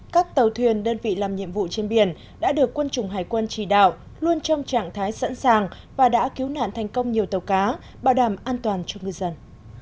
các tàu thuyền đơn vị làm nhiệm vụ trên biển đã được quân chủng hải quân chỉ đạo luôn trong trạng thái sẵn sàng và đã cứu nạn thành công nhiều tàu cá bảo đảm an toàn cho ngư dân